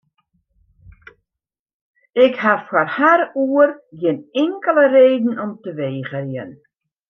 Ik ha foar har oer gjin inkelde reden om te wegerjen.